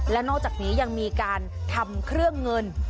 และนอกจากนี้ยังมีการทำเครื่องเงิน